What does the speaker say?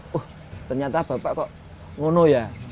wah ternyata bapak kok ngono ya